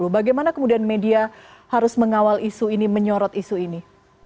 bagaimana kemudian media harus mengawal isu ini menyorot isu ini